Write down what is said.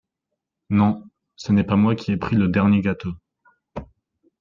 Non, ce n'est pas moi qui ai pris le dernier gâteau!